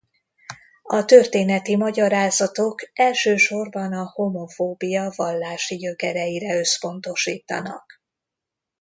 A történeti magyarázatok elsősorban a homofóbia vallási gyökereire összpontosítanak.